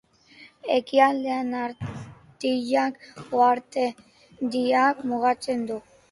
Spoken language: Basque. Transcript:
Ekialdean Antillak uhartediak mugatzen du.